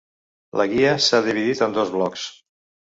La guia s’ha dividit en dos blocs.